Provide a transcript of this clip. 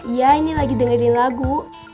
iya ini lagi dengerin lagu